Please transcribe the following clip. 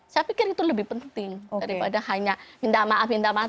saya pikir itu lebih penting daripada hanya minta maaf minta maaf